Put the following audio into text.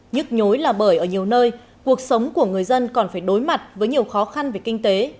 nhức nhối là bởi ở nhiều nơi cuộc sống của người dân còn phải đối mặt với nhiều khó khăn về kinh tế